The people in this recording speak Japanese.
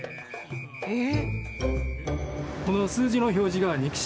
えっ！